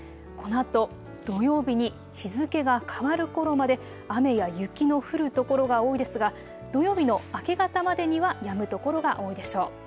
このあと土曜日に日付が変わるころまで雨や雪の降る所が多いですが土曜日の明け方までにはやむ所が多いでしょう。